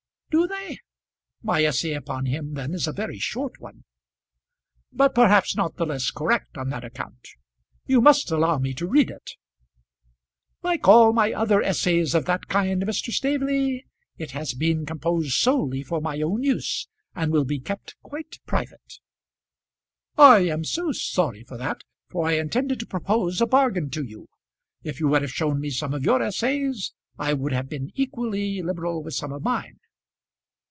"Do they? My essay upon him then is a very short one." "But perhaps not the less correct on that account. You must allow me to read it." "Like all my other essays of that kind, Mr. Staveley, it has been composed solely for my own use, and will be kept quite private." "I am so sorry for that, for I intended to propose a bargain to you. If you would have shown me some of your essays, I would have been equally liberal with some of mine."